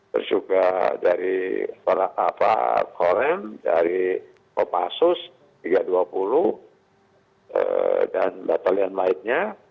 terus juga dari kolem dari komasus tiga ratus dua puluh dan batalion lainnya